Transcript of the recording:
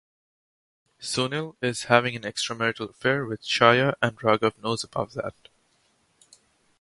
Sunil is having an extramarital affair with Chaya and Raghav knows about that.